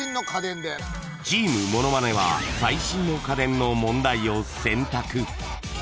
［チームものまねは最新の家電の問題を選択］